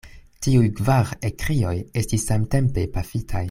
Tiuj kvar ekkrioj estis samtempe pafitaj.